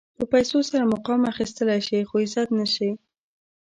په پیسو سره مقام اخيستلی شې خو عزت نه شې.